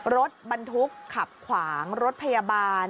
รถบรรทุกขับขวางรถพยาบาล